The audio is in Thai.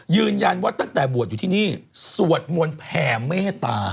ยืนยันว่าตั้งแต่บวชอยู่ที่นี่สวดมนต์แผ่เมตตา